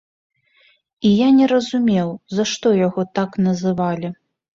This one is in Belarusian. І я не разумеў, за што яго так называлі.